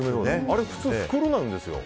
あれ、普通は袋なんですよ。